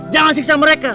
jangan siksa mereka